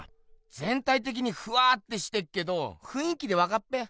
ぜんたいてきにふわってしてっけどふんい気でわかっぺ！